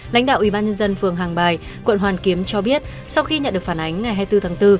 lãnh đạo ubnd phường hàng bài quận hoàn kiếm cho biết sau khi nhận được phản ánh ngày hai mươi bốn tháng bốn